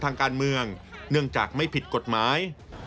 เนื่องจากไม่ผิดกฎหมาย